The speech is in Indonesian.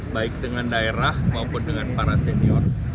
baik dengan daerah maupun dengan para senior